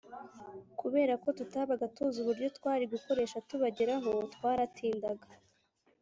Kubera ko tutabaga tuzi uburyo twari gukoresha tubageraho twaratindaga